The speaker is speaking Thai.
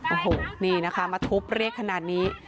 โอ้โหนี่นะคะมาทุบเรียกขนาดนี้